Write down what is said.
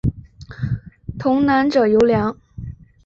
童男者尤良。